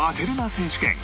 選手権